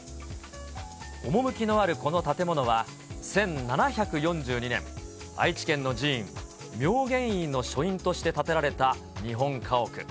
趣のあるこの建物は、１７４２年、愛知県の寺院、明眼院の書院として建てられた日本家屋。